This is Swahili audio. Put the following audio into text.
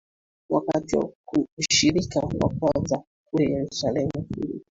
wakati wa ushirika wa kwanza kule Yerusalemu Filipo